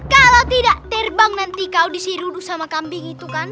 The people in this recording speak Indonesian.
kalau tidak terbang nanti kau disiru dulu sama kambing itu kan